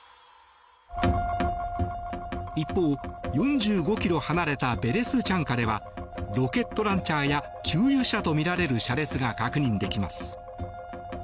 一方、４５ｋｍ離れたベレスチャンカではロケットランチャーや給油車とみられる車列が確認できます。